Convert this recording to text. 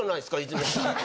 泉谷さん。